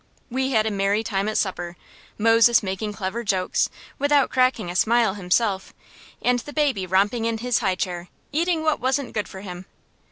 We had a merry time at supper, Moses making clever jokes, without cracking a smile himself; and the baby romping in his high chair, eating what wasn't good for him.